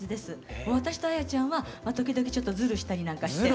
私とあやちゃんはまあ時々ちょっとズルしたりなんかして。